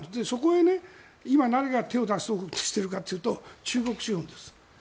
そこへ今、何が手を出そうとしているかというと中国資本です。